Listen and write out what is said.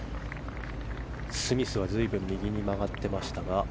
スミスは随分右に曲がっていましたが。